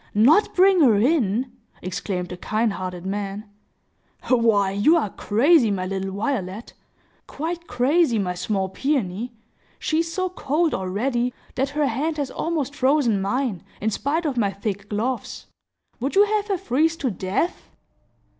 "Not bring her in!" exclaimed the kind hearted man. "Why, you are crazy, my little Violet!—quite crazy, my small Peony! She is so cold, already, that her hand has almost frozen mine, in spite of my thick gloves. Would you have her freeze to death?"